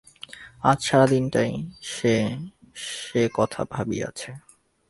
আজ সারা দিনটাই সে সে-কথা ভাবিয়াছে।